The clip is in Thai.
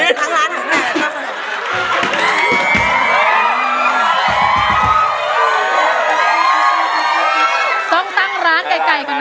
ต้องตั้งร้านไกลกันหน่อย